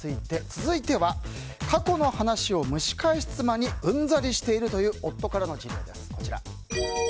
続いては過去の話を蒸し返す妻にうんざりしているという夫からの事例です。